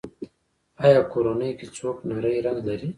ایا کورنۍ کې څوک نری رنځ لري؟